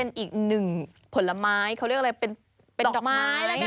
เป็นอีกหนึ่งผลไม้เขาเรียกอะไรเป็นดอกไม้